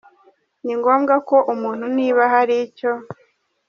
Ni ngombwa ko umuntu niba hari icyo